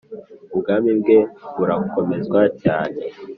ubwami bwe burakomezwa cyane.